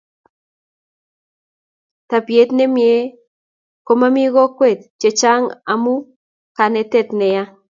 tapiet nemiee komami kokwet chechang amu kanetet neya